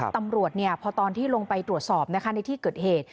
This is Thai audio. ตำรวจพอตอนที่ลงไปตรวจสอบในที่เกิดเหตุ